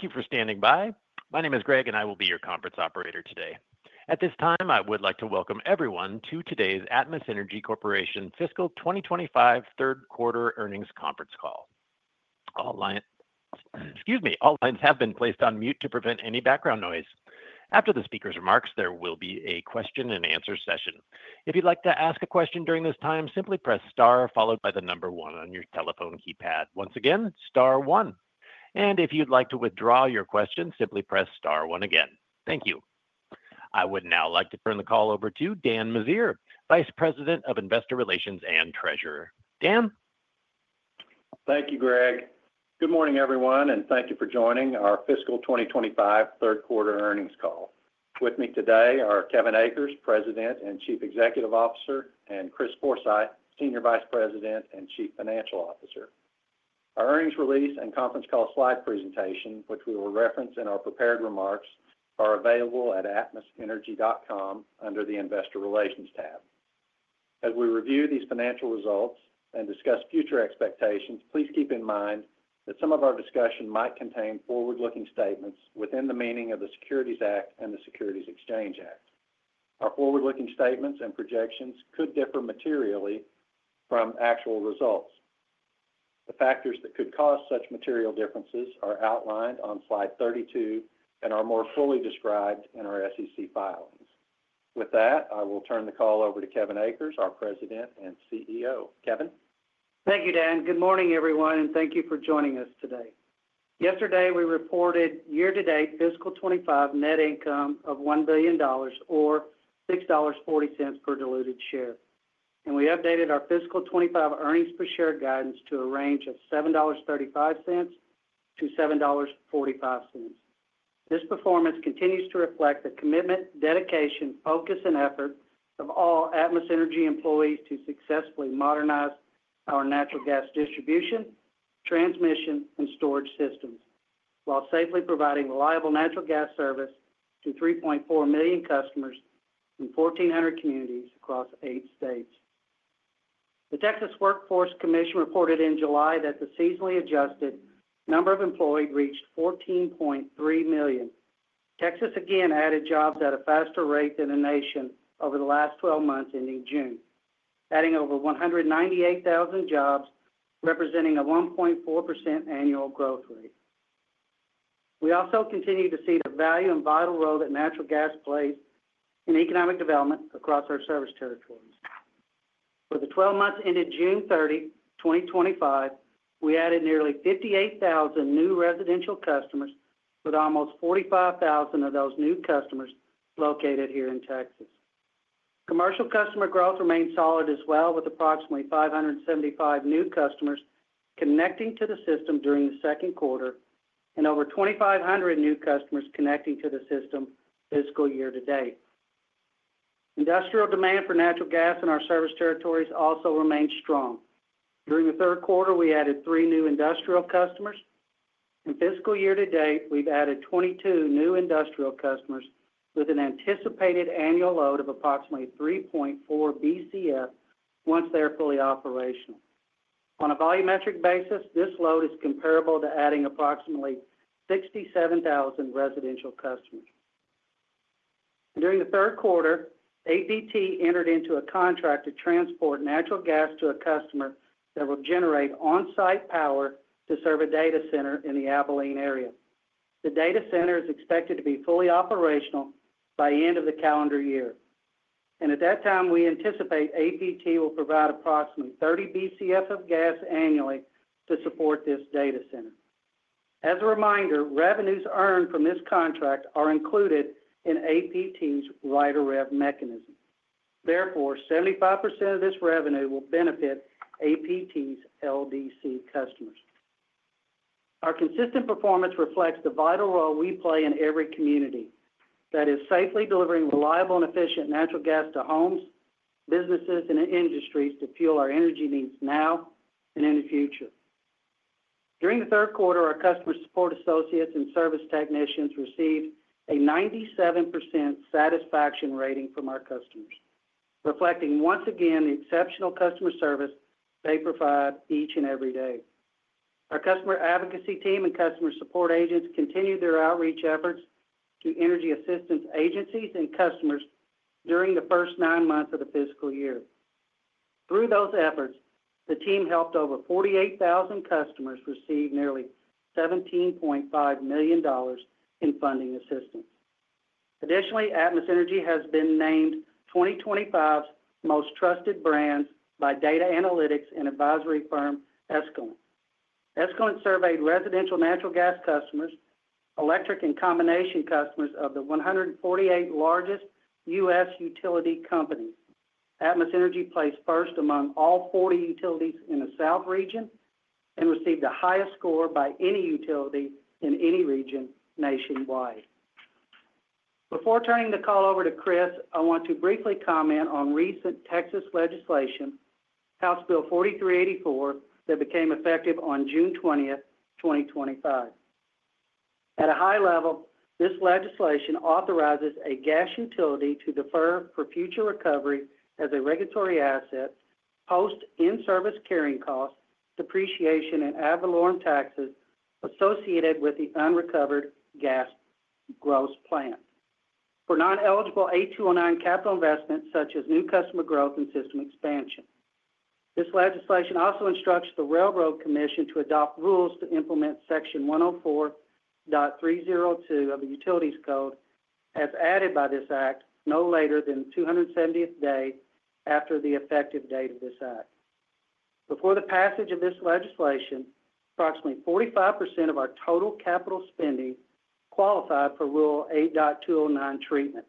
Thank you for standing by. My name is Greg, and I will be your conference operator today. At this time, I would like to welcome everyone to today's Atmos Energy Corporation Fiscal 2025 Third Quarter Earnings Conference Call. All lines have been placed on mute to prevent any background noise. After the speaker's remarks, there will be a question-and-answer session. If you'd like to ask a question during this time, simply press star followed by the number one on your telephone keypad. Once again, star one. If you'd like to withdraw your question, simply press star one again. Thank you. I would now like to turn the call over to Dan Meziere, Vice President of Investor Relations and Treasurer. Dan? Thank you, Greg. Good morning, everyone, and thank you for joining our Fiscal 2025 Third Quarter Earnings Call. With me today are Kevin Akers, President and Chief Executive Officer, and Chris Forsythe, Senior Vice President and Chief Financial Officer. Our earnings release and conference call slide presentation, which we will reference in our prepared remarks, are available at atmosenergy.com under the Investor Relations tab. As we review these financial results and discuss future expectations, please keep in mind that some of our discussion might contain forward-looking statements within the meaning of the Securities Act and the Securities Exchange Act. Our forward-looking statements and projections could differ materially from actual results. The factors that could cause such material differences are outlined on slide 32 and are more fully described in our SEC filings. With that, I will turn the call over to Kevin Akers, our President and CEO. Kevin? Thank you, Dan. Good morning, everyone, and thank you for joining us today. Yesterday, we reported year-to-date Fiscal 2025 net income of $1 billion or $6.40 per diluted share. We updated our Fiscal 2025 earnings per share guidance to a range of $7.35-$7.45. This performance continues to reflect the commitment, dedication, focus, and effort of all Atmos Energy employees to successfully modernize our natural gas distribution, transmission, and storage systems, while safely providing reliable natural gas service to 3.4 million customers in 1,400 communities across eight states. The Texas Workforce Commission reported in July that the seasonally adjusted number of employed reached 14.3 million. Texas again added jobs at a faster rate than the nation over the last 12 months ending June, adding over 198,000 jobs, representing a 1.4% annual growth rate We also continue to see the value and vital role that natural gas plays in economic development across our service territories. For the 12 months ending June 30, 2025, we added nearly 58,000 new residential customers, with almost 45,000 of those new customers located here in Texas. Commercial customer growth remains solid as well, with approximately 575 new customers connecting to the system during the second quarter and over 2,500 new customers connecting to the system fiscal year to date. Industrial demand for natural gas in our service territories also remains strong. During the third quarter, we added three new industrial customers, and fiscal year to date, we've added 22 new industrial customers with an anticipated annual load of approximately 3.4 BCF once they're fully operational. On a volumetric basis, this load is comparable to adding approximately 67,000 residential customers. During the third quarter, Atmos Pipeline–Texas entered into a contract to transport natural gas to a customer that will generate on-site power to serve a data center in the Abilene area. The data center is expected to be fully operational by the end of the calendar year. At that time, we anticipate Atmos Pipeline–Texas will provide approximately 30 BCF of gas annually to support this data center. As a reminder, revenues earned from this contract are included in Atmos Pipeline–Texas's write-or-read mechanism. Therefore, 75% of this revenue will benefit Atmos Pipeline–Texas's LDC customers. Our consistent performance reflects the vital role we play in every community that is safely delivering reliable and efficient natural gas to homes, businesses, and industries to fuel our energy needs now and in the future. During the third quarter, our customer support associates and service technicians received a 97% satisfaction rating from our customers, reflecting once again the exceptional customer service they provide each and every day. Our customer advocacy team and customer support agents continued their outreach efforts to energy assistance agencies and customers during the first nine months of the fiscal year. Through those efforts, the team helped over 48,000 customers receive nearly $17.5 million in funding assistance. Additionally, Atmos Energy has been named 2025's most trusted brand by data analytics and advisory firm Escalent. Escalent surveyed residential natural gas customers, electric, and combination customers of the 148 largest U.S. utility companies. Atmos Energy placed first among all 40 utilities in the South Region and received the highest score by any utility in any region nationwide. Before turning the call over to Chris, I want to briefly comment on recent Texas legislation, House Bill 4384, that became effective on June 20, 2025. At a high level, this legislation authorizes a gas utility to defer for future recovery as a regulatory asset post in-service carrying costs, depreciation, and ad valorem taxes associated with the unrecovered gas gross plant for non-eligible H209 capital investments, such as new customer growth and system expansion. This legislation also instructs the Railroad Commission to adopt rules to implement Section 104.302 of the Utilities Code as added by this Act no later than the 270th day after the effective date of this Act. Before the passage of this legislation, approximately 45% of our total capital spending qualified for Rule 8.209 treatment.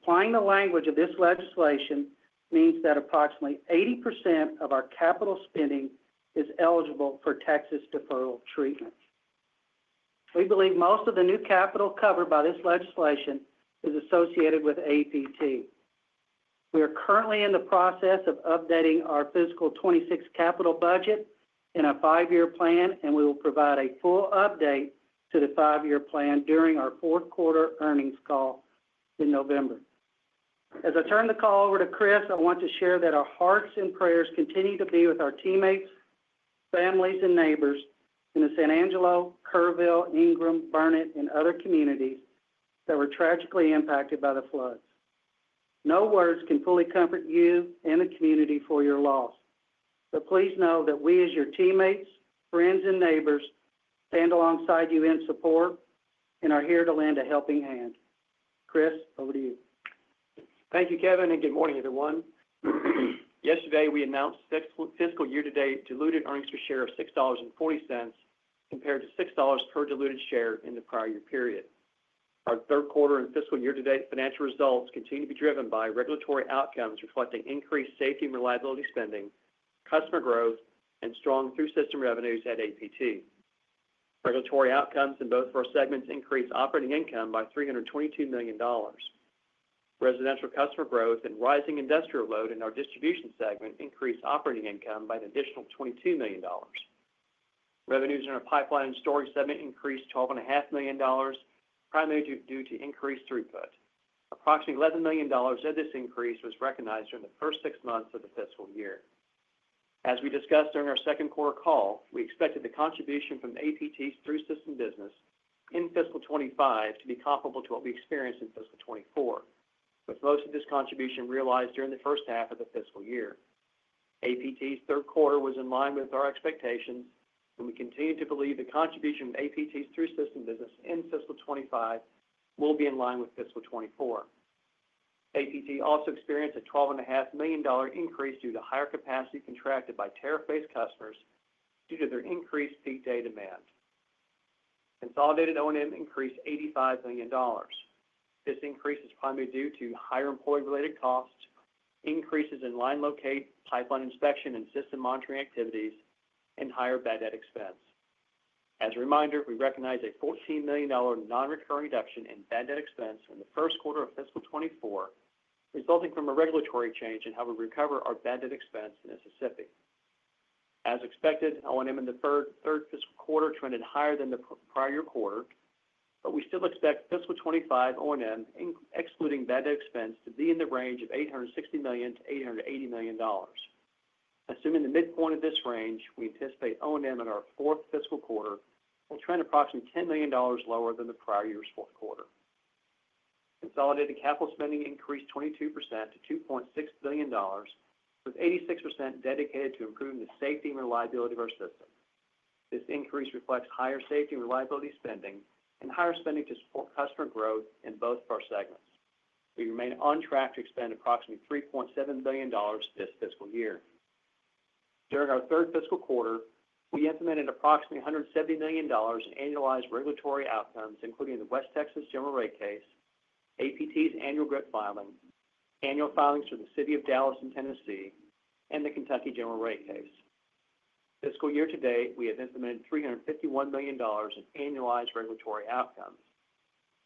Applying the language of this legislation means that approximately 80% of our capital spending is eligible for Texas deferral treatment. We believe most of the new capital covered by this legislation is associated with Atmos Pipeline–Texas. We are currently in the process of updating our Fiscal 2026 Capital Budget in a five-year plan, and we will provide a full update to the five-year plan during our fourth quarter earnings call in November. As I turn the call over to Chris, I want to share that our hearts and prayers continue to be with our teammates, families, and neighbors in the San Angelo, Kerrville, Ingram, Burnet, and other communities that were tragically impacted by the floods. No words can fully comfort you and the community for your loss. Please know that we as your teammates, friends, and neighbors stand alongside you in support and are here to lend a helping hand. Chris, over to you. Thank you, Kevin, and good morning, everyone. Yesterday, we announced fiscal year-to-date diluted earnings per share of $6.40 compared to $6.00 per diluted share in the prior year period. Our third quarter and fiscal year-to-date financial results continue to be driven by regulatory outcomes reflecting increased safety and reliability spending, customer growth, and strong through system revenues at Atmos Pipeline–Texas. Regulatory outcomes in both of our segments increased operating income by $322 million. Residential customer growth and rising industrial load in our distribution segment increased operating income by an additional $22 million. Revenues in our pipeline and storage segment increased $12.5 million, primarily due to increased throughput. Approximately $11 million of this increase was recognized during the first six months of the fiscal year. As we discussed during our second quarter call, we expected the contribution from Atmos Pipeline–Texas's through system business in Fiscal 2025 to be comparable to what we experienced in Fiscal 2024, with most of this contribution realized during the first half of the fiscal year. Atmos Pipeline–Texas's third quarter was in line with our expectations, and we continue to believe the contribution of Atmos Pipeline–Texas's through system business in Fiscal 2025 will be in line with Fiscal 2024. Atmos Pipeline–Texas also experienced a $12.5 million increase due to higher capacity contracted by tariff-based customers due to their increased peak day demand. Consolidated O&M increased $85 million. This increase is primarily due to higher employee-related costs, increases in line locate, pipeline inspection, and system monitoring activities, and higher bad debt expense. As a reminder, we recognized a $14 million non-recurring reduction in bad debt expense in the first quarter of Fiscal 2024, resulting from a regulatory change in how we recover our bad debt expense in Mississippi. As expected, O&M in the third fiscal quarter trended higher than the prior year quarter, but we still expect Fiscal 2025 O&M, excluding bad debt expense, to be in the range of $860 million-$880 million. Assuming the midpoint of this range, we anticipate O&M in our fourth fiscal quarter will trend approximately $10 million lower than the prior year's fourth quarter. Consolidated capital spending increased 22% to $2.6 billion, with 86% dedicated to improving the safety and reliability of our system. This increase reflects higher safety and reliability spending and higher spending to support customer growth in both of our segments. We remain on track to expand approximately $3.7 billion this fiscal year. During our third fiscal quarter, we implemented approximately $170 million in annualized regulatory outcomes, including the West Texas General Rate Case, APT's annual grid filing, annual filings for the City of Dallas and Tennessee, and the Kentucky General Rate Case. Fiscal year to date, we have implemented $351 million in annualized regulatory outcomes,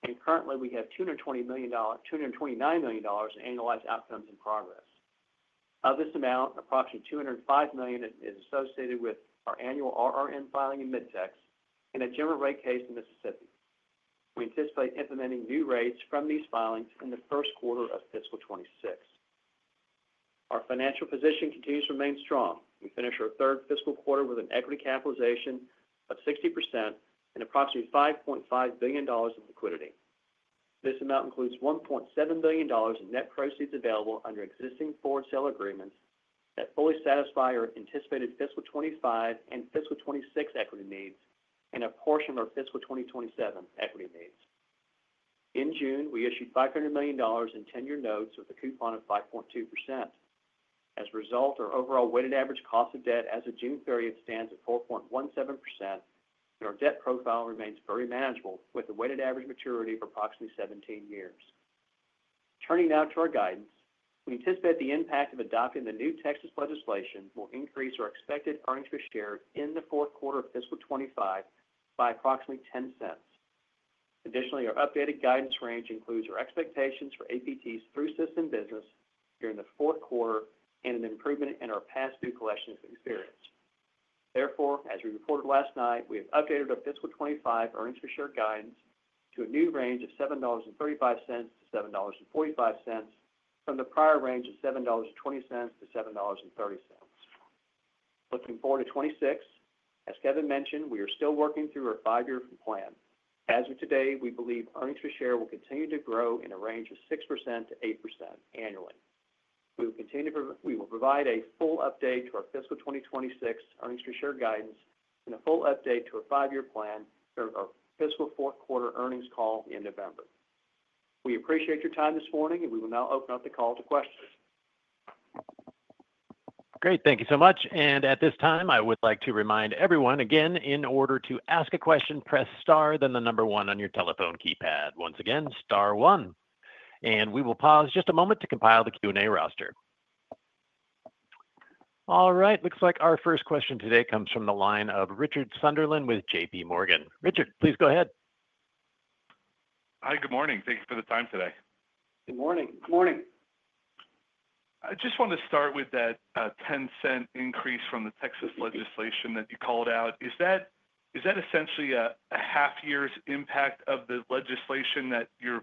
and currently, we have $229 million in annualized outcomes in progress. Of this amount, approximately $205 million is associated with our annual RRM filing in Mid-Tex and a General Rate Case in Mississippi. We anticipate implementing new rates from these filings in the first quarter of Fiscal 2026. Our financial position continues to remain strong. We finished our third fiscal quarter with an equity capitalization of 60% and approximately $5.5 billion of liquidity. This amount includes $1.7 billion in net proceeds available under existing forward sale agreements that fully satisfy our anticipated Fiscal 2025 and Fiscal 2026 equity needs and a portion of our Fiscal 2027 equity needs. In June, we issued $500 million in 10-year notes with a coupon of 5.2%. As a result, our overall weighted average cost of debt as of June 30 stands at 4.17%, and our debt profile remains very manageable with a weighted average maturity of approximately 17 years. Turning now to our guidance, we anticipate the impact of adopting the new Texas legislation will increase our expected earnings per share in the fourth quarter of Fiscal 2025 by approximately $0.10. Additionally, our updated guidance range includes our expectations for APT's through system business during the fourth quarter and an improvement in our past due collections experience. Therefore, as we reported last night, we have updated our Fiscal 2025 earnings per share guidance to a new range of $7.35-$7.45 from the prior range of $7.20-$7.30. Looking forward to 2026, as Kevin mentioned, we are still working through our five-year plan. As of today, we believe earnings per share will continue to grow in a range of 6%-8% annually. We will continue to provide a full update to our Fiscal 2026 earnings per share guidance and a full update to a five-year plan for our fiscal fourth quarter earnings call in November. We appreciate your time this morning, and we will now open up the call to questions. Great. Thank you so much. At this time, I would like to remind everyone again, in order to ask a question, press star, then the number one on your telephone keypad. Once again, star one. We will pause just a moment to compile the Q&A roster. All right. Looks like our first question today comes from the line of Richard Sunderland with J.P. Morgan. Richard, please go ahead. Hi, good morning. Thank you for the time today. Good morning. I just want to start with that $0.10 increase from the Texas legislation that you called out. Is that essentially a half year's impact of the legislation that you're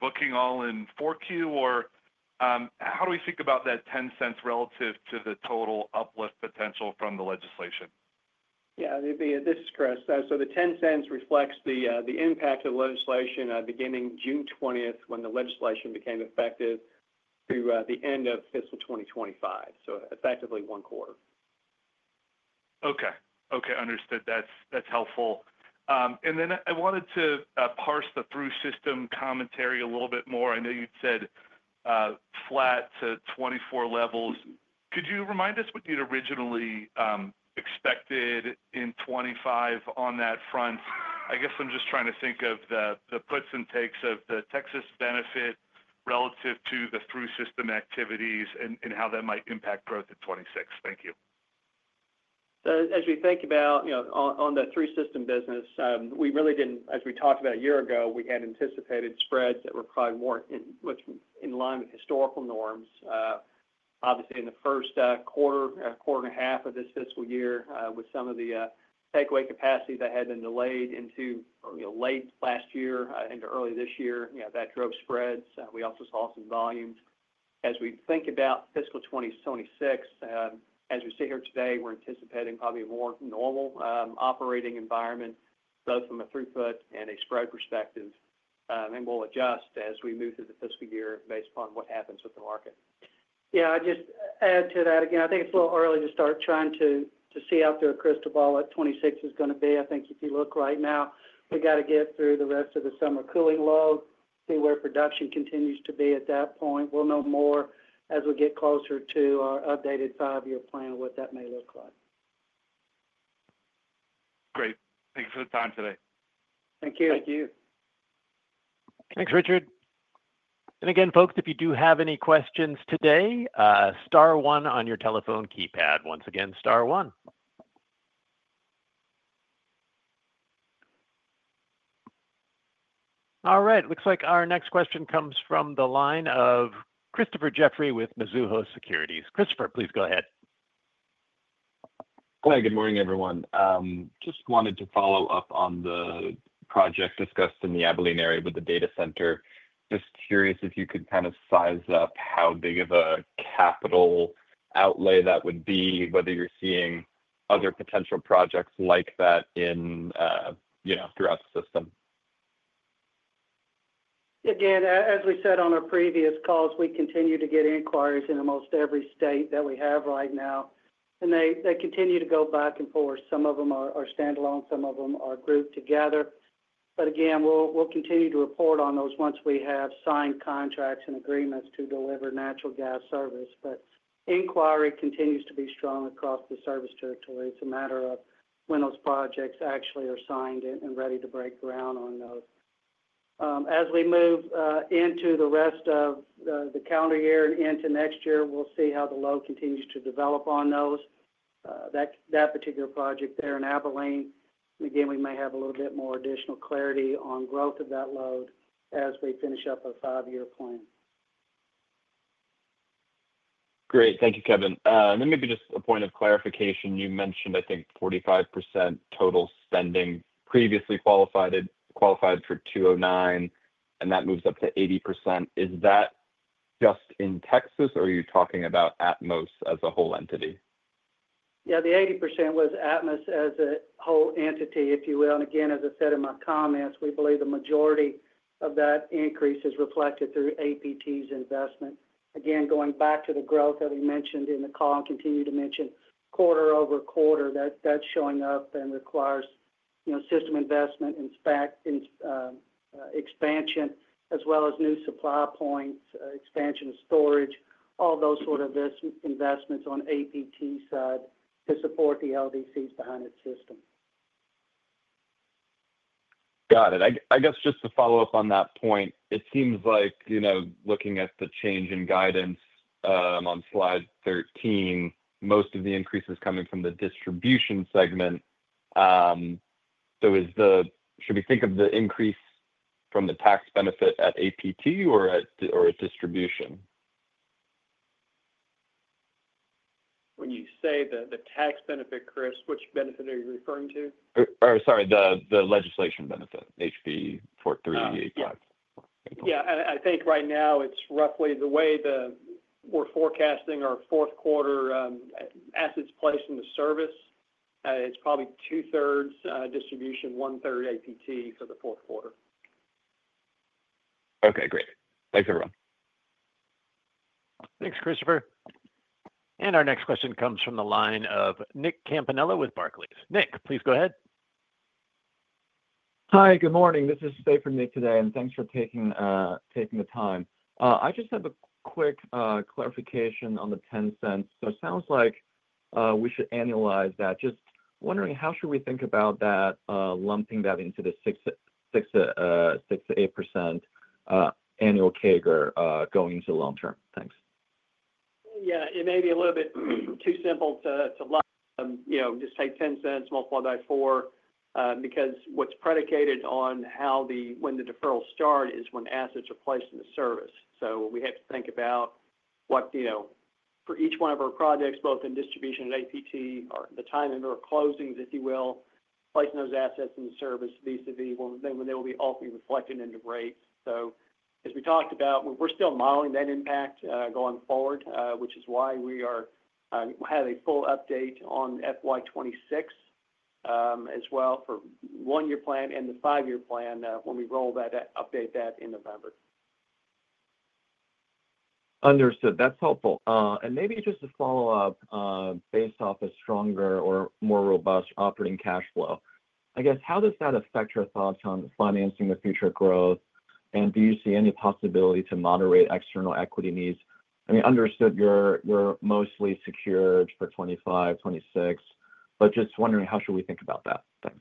booking all in 4Q, or how do we think about that $0.10 relative to the total uplift potential from the legislation? It'd be a distress. The $0.10 reflects the impact of the legislation beginning June 20th when the legislation became effective through the end of Fiscal 2025, so effectively one quarter. Okay, understood. That's helpful. I wanted to parse the through system commentary a little bit more. I know you'd said flat to 2024 levels. Could you remind us what you'd originally expected in 2025 on that front? I guess I'm just trying to think of the puts and takes of the Texas benefit relative to the through system activities and how that might impact growth at 2026. Thank you. As we think about, you know, on the through system business, we really didn't, as we talked about a year ago, we had anticipated spreads that were probably more in line with historical norms. Obviously, in the first quarter, quarter and a half of this fiscal year, with some of the takeaway capacity that had been delayed into late last year into early this year, that drove spreads. We also saw some volumes. As we think about Fiscal 2026, as we sit here today, we're anticipating probably a more normal operating environment, both from a throughput and a spread perspective. We'll adjust as we move through the fiscal year based upon what happens with the market. Yeah, I just add to that again. I think it's a little early to start trying to see out through a crystal ball what 2026 is going to be. I think if you look right now, we got to get through the rest of the summer cooling low, see where production continues to be at that point. We'll know more as we get closer to our updated five-year plan and what that may look like. Great. Thank you for the time today. Thank you. Thank you. Thanks, Richard. If you do have any questions today, star one on your telephone keypad. Once again, star one. All right. Looks like our next question comes from the line of Christopher Jeffrey with Mizuho Securities. Christopher, please go ahead. Hi, good morning, everyone. Just wanted to follow up on the project discussed in the Abilene area with the data center. Just curious if you could kind of size up how big of a capital outlay that would be, whether you're seeing other potential projects like that throughout the system. As we said on our previous calls, we continue to get inquiries in almost every state that we have right now. They continue to go back and forth. Some of them are standalone, some of them are grouped together. We'll continue to report on those once we have signed contracts and agreements to deliver natural gas service. Inquiry continues to be strong across the service territory. It's a matter of when those projects actually are signed and ready to break ground on those. As we move into the rest of the calendar year and into next year, we'll see how the load continues to develop on those. That particular project there in Abilene, we may have a little bit more additional clarity on growth of that load as we finish up our five-year plan. Great. Thank you, Kevin. Maybe just a point of clarification. You mentioned, I think, 45% total spending previously qualified for 209, and that moves up to 80%. Is that just in Texas, or are you talking about Atmos Energy Corporation as a whole entity? Yeah, the 80% was Atmos Energy Corporation as a whole entity, if you will. As I said in my comments, we believe the majority of that increase is reflected through Atmos Pipeline–Texas's investment. Going back to the growth that we mentioned in the call and continue to mention quarter-over-quarter, that's showing up and requires system investment and expansion, as well as new supply points, expansion of storage, all those sort of investments on Atmos Pipeline–Texas's side to support the LDCs behind the system. Got it. I guess just to follow up on that point, it seems like, you know, looking at the change in guidance on slide 13, most of the increase is coming from the distribution segment. Is the, should we think of the increase from the tax benefit at APT or at distribution? When you say the tax benefit, Chris, which benefit are you referring to? Oh, sorry, the legislation benefit, Texas House Bill 4384. I think right now it's roughly the way we're forecasting our fourth quarter assets placed into service. It's probably two-thirds distribution, one-third Atmos Pipeline–Texas for the fourth quarter. Okay, great. Thanks, everyone. Thanks, Christopher. Our next question comes from the line of Nick Campanella with Barclays. Nick, please go ahead. Hi, good morning. This is Fei for Nick today, and thanks for taking the time. I just have a quick clarification on the $0.10. It sounds like we should annualize that. Just wondering, how should we think about that, lumping that into the 6%-8% annual CAGR going into the long term? Thanks. Yeah, it may be a little bit too simple to lump, you know, just take $0.10, multiply by four because what's predicated on how the when the deferral start is when assets are placed into service. We have to think about what, you know, for each one of our projects, both in distribution and Atmos Pipeline–Texas, or the time of our closings, if you will, placing those assets in service, these are the ones that will be off and reflected into rates. As we talked about, we're still modeling that impact going forward, which is why we have a full update on FY 2026 as well for one-year plan and the five-year plan when we roll that update in November. That's helpful. Maybe just to follow up, based off a stronger or more robust operating cash flow, how does that affect your thoughts on financing the future growth, and do you see any possibility to moderate external equity needs? I mean, understood you're mostly secured for 2025, 2026, but just wondering, how should we think about that? Thanks.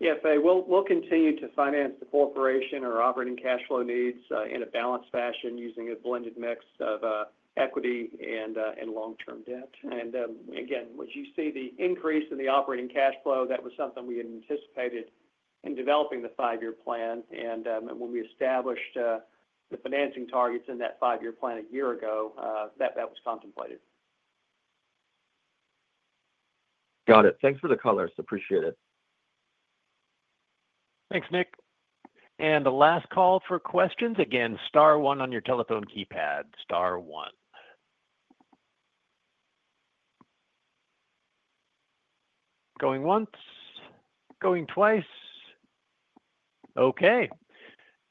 Yeah, Fei, we'll continue to finance the corporation or operating cash flow needs in a balanced fashion using a blended mix of equity and long-term debt. You see the increase in the operating cash flow. That was something we had anticipated in developing the five-year plan. When we established the financing targets in that five-year plan a year ago, that was contemplated. Got it. Thanks for the color. Appreciate it. Thanks, Nick. The last call for questions. Again, star one on your telephone keypad. Star one. Going once. Going twice. Okay.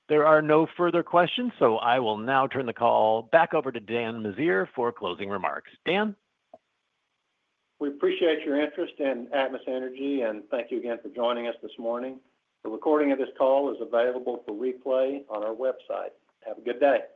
There are no further questions, so I will now turn the call back over to Dan Meziere for closing remarks. Dan? We appreciate your interest in Atmos Energy, and thank you again for joining us this morning. The recording of this call is available for replay on our website. Have a good day.